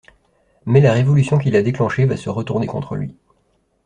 Mais la révolution qu'il a déclenché va se retourner contre lui.